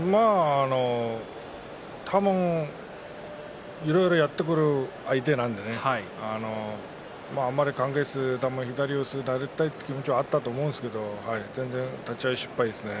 多分いろいろやってくる相手なのであまり考えず左四つになりたいという気持ちだったと思うんですけれども立ち合い失敗ですね。